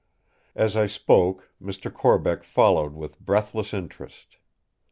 As I spoke, Mr. Corbeck followed with breathless interest.